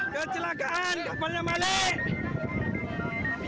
kecelakaan kapalnya balik